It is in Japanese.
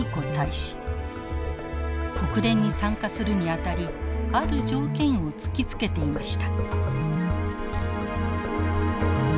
国連に参加するにあたりある条件を突きつけていました。